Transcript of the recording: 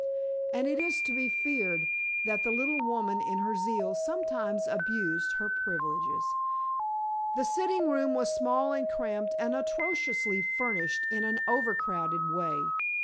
And it is to be feared, that the little woman in her zeal sometimes abused her privileges. The sitting room was small and cramped, and atrociously furnished in an overcrowded way.